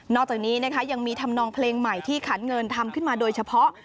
จากนี้นะคะยังมีธรรมนองเพลงใหม่ที่ขันเงินทำขึ้นมาโดยเฉพาะ